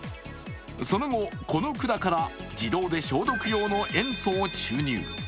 その後、この管から自動で消毒用の塩素を注入。